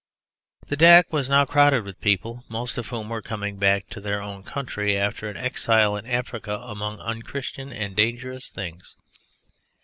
The deck was now crowded with people, most of whom were coming back to their own country after an exile in Africa among un Christian and dangerous things.